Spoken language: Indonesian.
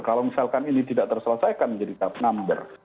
kalau misalkan ini tidak terselesaikan menjadi number